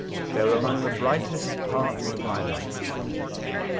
Thev are among the brightest parts of my life.